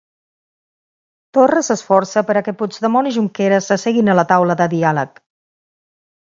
Torra s'esforça per a que Puigdemont i Junqueras s'asseguin a la taula de diàleg.